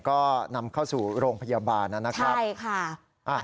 ก็นำเข้าสู่โรงพยาบาลนะครับใช่ค่ะ